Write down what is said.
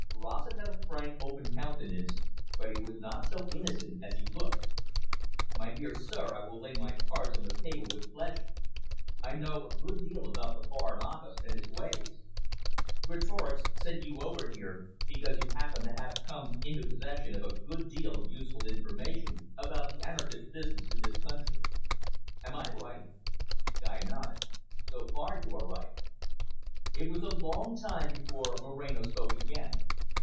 Rossett had a frank, open countenance, but he was not so innocent as he looked. "My dear sir, I will lay my cards on the table with pleasure. I know a good deal about the Foreign Office and its ways. Greatorex sent you over here because you happen to have come into possession of a good deal of useful information about the anarchist business in this country. Am I right?" Guy nodded. "So far, you are right." It was a long time before Moreno spoke again.